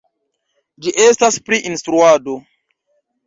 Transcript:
Ĝi estas pri instruado.